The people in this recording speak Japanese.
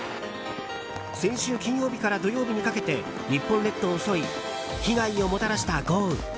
先週金曜日から土曜日にかけて日本列島を襲い被害をもたらした豪雨。